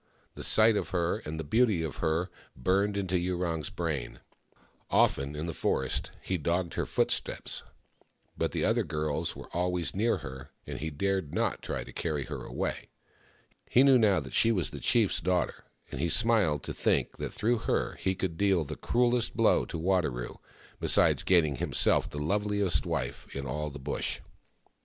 The sight of her, and the beauty of her, burned into Yurong's brain ; often in the forest he dogged her footsteps, but the other girls were always near her, and he dared not try to carry her away. He knew now she was the chief's daughter, and he smiled to think that through her he could deal the cruellest blow to Wadaro, besides gaining for himself the loveliest wife in all the Bush.